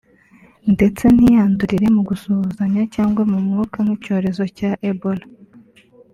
ndetse ntiyandurire mu gusuhuzanya cyangwa mu mwuka nk’icyorezo cya Ebola